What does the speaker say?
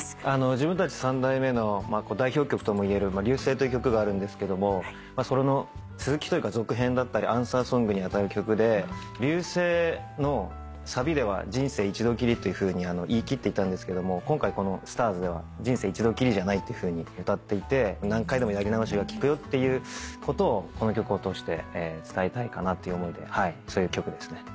自分たち三代目の代表曲ともいえる『Ｒ．Ｙ．Ｕ．Ｓ．Ｅ．Ｉ』という曲があるんですけどもその続きというか続編だったりアンサーソングに当たる曲で『Ｒ．Ｙ．Ｕ．Ｓ．Ｅ．Ｉ』のサビでは「人生一度きり」っていうふうに言い切っていたんですけども今回この『ＳＴＡＲＳ』では「人生一度きりじゃない」っていうふうに歌っていて「何回でもやり直しが利くよ」っていうことをこの曲を通して伝えたいかなっていう思いではいそういう曲ですね。